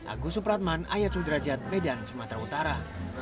agus supratman ayat sudrajat medan sumatera utara